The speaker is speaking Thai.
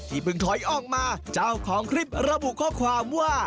เพิ่งถอยออกมาเจ้าของคลิประบุข้อความว่า